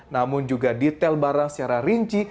namun juga detail barang secara rinci